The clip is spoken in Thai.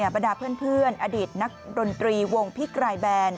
บรรดาเพื่อนอดีตนักดนตรีวงพิกรายแบน